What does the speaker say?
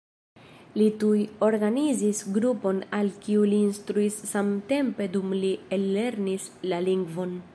Li tuj organizis grupon al kiu li instruis samtempe dum li ellernis la lingvon.